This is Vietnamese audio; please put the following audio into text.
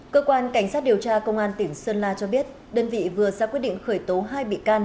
cơ quan cảnh sát điều tra công an tỉnh sơn la cho biết đơn vị vừa ra quyết định khởi tố hai bị can